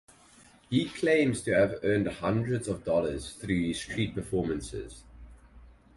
He claims to have earned hundreds of dollars through his street performances.